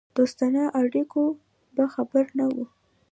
دوستانه اړیکو به خبر نه وو.